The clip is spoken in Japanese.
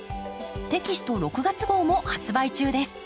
テキスト６月号も発売中です。